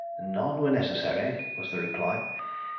"None were necessary," was the reply.